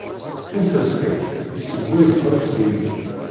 Anef-as kan... yessewway lexrif s yimi.